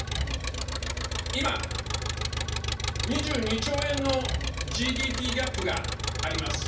今、２２兆円のＧＤＰギャップがあります。